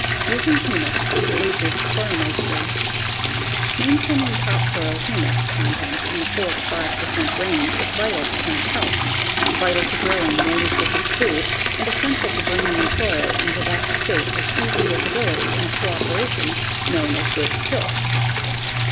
Using Humus to Increase Soil Moisture Maintaining topsoil humus content in the 4 to 5 percent range is vital to plant health, vital to growing more nutritious food, and essential to bringing the soil into that state of easy workability and cooperation known as good tilth.